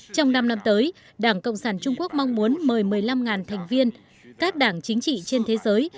trong năm năm tới đảng cộng sản trung quốc mong muốn mời một mươi năm thành viên các đảng chính trị trên thế giới